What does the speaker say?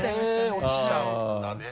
落ちちゃうんだね。